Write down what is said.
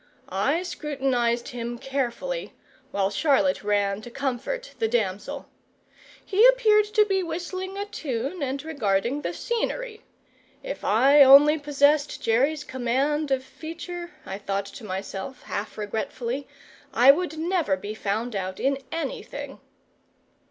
I scrutinised him carefully, while Charlotte ran to comfort the damsel. He appeared to be whistling a tune and regarding the scenery. If I only possessed Jerry's command of feature, I thought to myself, half regretfully, I would never be found out in anything.